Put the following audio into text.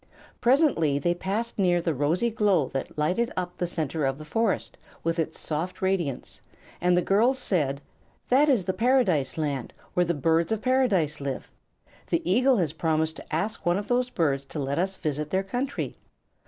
Presently they passed near the rosy glow that lighted up the center of the forest with its soft radiance, and the girl said: "That is the Paradise Land, where the Birds of Paradise live. The eagle has promised to ask one of those birds to let us visit their country."